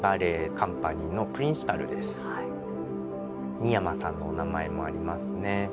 二山さんのお名前もありますね。